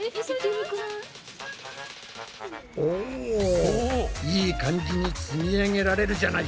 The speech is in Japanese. おいい感じに積み上げられるじゃないか。